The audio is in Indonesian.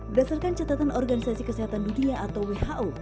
berdasarkan catatan organisasi kesehatan dunia atau who